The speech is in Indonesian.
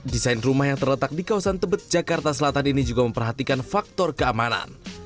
desain rumah yang terletak di kawasan tebet jakarta selatan ini juga memperhatikan faktor keamanan